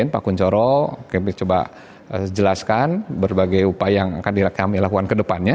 pak kunchoro kami coba jelaskan berbagai upaya yang akan kami lakukan ke depannya